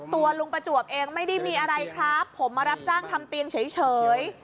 ตัวลุงประจวบเองไม่ได้มีอะไรครับผมมารับจ้างทำเตียงเฉย